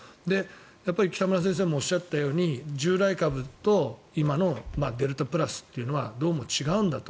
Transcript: やっぱり北村先生もおっしゃったように従来株と今のデルタプラスというのはどうも違うんだと。